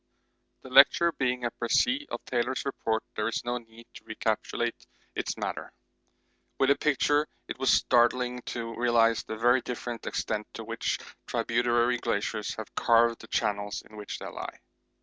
The lecture being a précis of Taylor's report there is no need to recapitulate its matter. With the pictures it was startling to realise the very different extent to which tributary glaciers have carved the channels in which they lie.